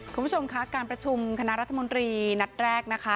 คุณผู้ชมคะการประชุมคณะรัฐมนตรีนัดแรกนะคะ